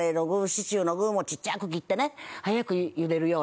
シチューの具もちっちゃく切ってね早く茹でるように。